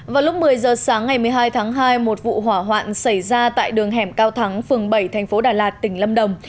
vào lúc một mươi giờ sáng ngày một mươi hai tháng hai một vụ hỏa hoạn xảy ra tại đường hẻm cao thắng phường bảy thành phố đà lạt tỉnh lâm đồng